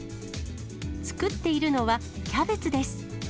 作っているのは、キャベツです。